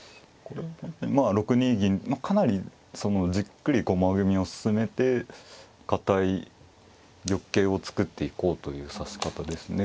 まあ６二銀かなりじっくり駒組みを進めて堅い玉形を作っていこうという指し方ですね。